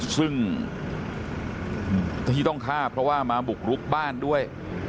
ซึ่งที่ต้องฆ่าเพราะว่ามาบุกรุกบ้านด้วย